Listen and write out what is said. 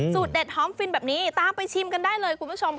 เด็ดหอมฟินแบบนี้ตามไปชิมกันได้เลยคุณผู้ชม